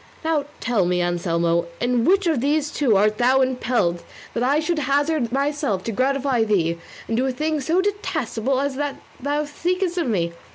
Now tell me, Anselmo, in which of these two art thou imperilled, that I should hazard myself to gratify thee, and do a thing so detestable as that thou seekest of me?